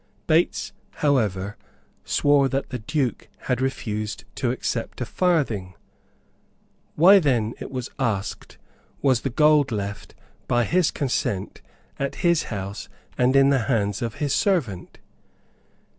Bates however swore that the Duke had refused to accept a farthing. "Why then," it was asked, "was the gold left, by his consent, at his house and in the hands of his servant?"